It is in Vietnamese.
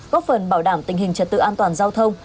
góp phần bảo đảm tình hình trật tự an toàn giao thông